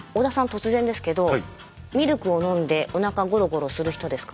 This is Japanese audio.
突然ですけどミルクを飲んでおなかゴロゴロする人ですか？